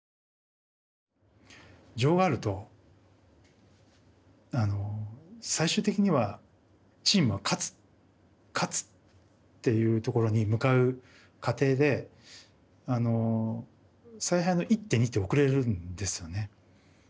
情があると最終的にはチームは勝つ勝つっていうところに向かう過程であの采配が一手二手遅れるんですよね。